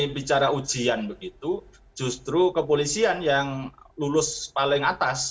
bicara ujian begitu justru kepolisian yang lulus paling atas